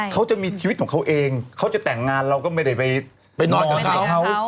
เขาจะมีชีวิตของเขาเองเขาจะแต่งงานเราก็ไม่ได้ไปนอนกับเขา